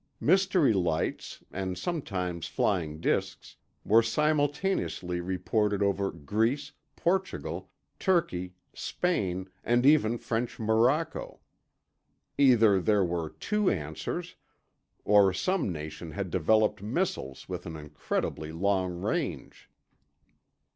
Mystery lights, and sometimes flying disks, were simultaneously reported over Greece, Portugal, Turkey, Spain, and even French Morocco. Either there were two answers, or some nation had developed missiles with an incredibly long range.